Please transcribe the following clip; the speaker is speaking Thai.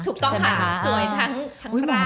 ถูกต้องค่ะสวยทั้งร่าง